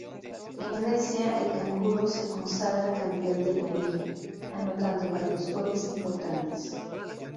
En Grecia el canguro se consagra campeón de la liga, anotando varios goles importantes.